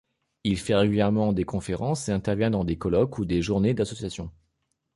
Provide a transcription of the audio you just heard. Il fait régulièrement des conférences et intervient dans des colloques ou des journées d’associations.